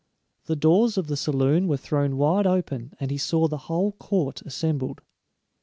The doors of the saloon were thrown wide open and he saw the whole court assembled.